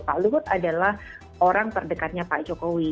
pak luhut adalah orang terdekatnya pak jokowi